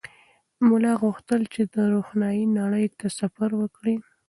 ملا غوښتل چې د روښنایۍ نړۍ ته سفر وکړي.